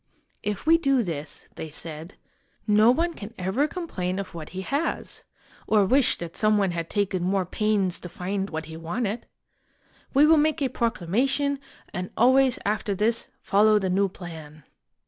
"If we do this," they said, " no one can ever com plain of what he has, or wish that some one had taken more pains to find what he wanted. We will make a proclamation, and always after this follow the new plan."